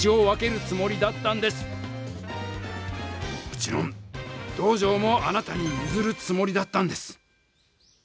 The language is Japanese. もちろん道場もあなたにゆずるつもりだったんです。